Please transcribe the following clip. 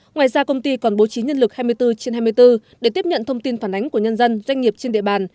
ngoài ra công ty còn bố trí nhân lực hai mươi bốn trên hai mươi bốn để tiếp nhận thông tin phản ánh của nhân dân doanh nghiệp trên địa bàn